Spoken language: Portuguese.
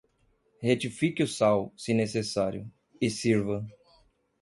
Retifique o sal, se necessário, e sirva.